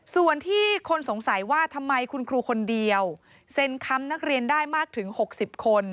ส่วนที่คนสงสัยว่าทำไมคุณครูคนเดียวเซ็นค้ำนักเรียนได้มากถึง๖๐คน